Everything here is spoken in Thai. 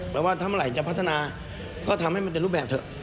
แล้วว่าถ้าเมื่อไหร่จะพัฒนาก็ทำให้มันเป็นรูปแบบเถอะ